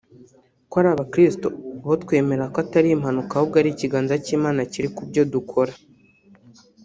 ko ari abakristo bo twemera ko atari impanuka ahubwo ari ikiganza cy’Imanakiri ku byo dukora